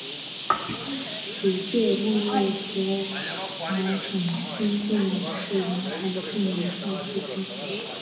李诫墓位于河南省新郑市龙湖镇于寨村西。